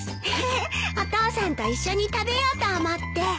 フフッお父さんと一緒に食べようと思って。